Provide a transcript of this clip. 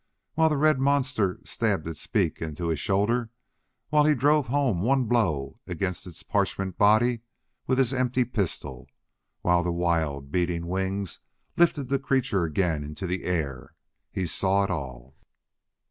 While the red monster stabbed its beak into his shoulder, while he drove home one blow against its parchment body with his empty pistol, while the wild, beating wings lifted the creature again into the air he saw it all.